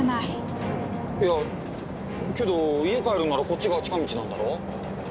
いやけど家帰るならこっちが近道なんだろ？